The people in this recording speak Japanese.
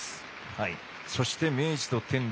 そして明治と天理。